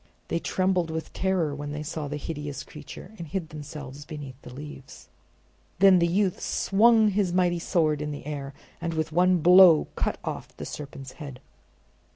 They trembled with terror when they saw the hideous creature and hid themselves beneath the leaves. Then the youth swung his mighty sword in the air, and with one blow cut off the serpent's head.